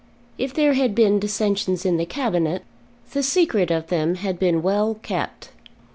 If there had been dissensions in the Cabinet, the secret of them had been well kept.